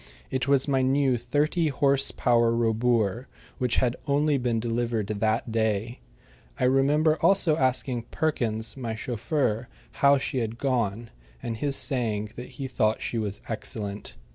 It was my new thirty horse power Robur, which had only been delivered that day. I remember also asking Perkins, my chauffeur, how she had gone, and his saying that he thought she was excellent.